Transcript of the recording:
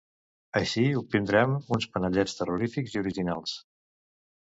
Així, obtindrem uns panellets terrorífics i originals.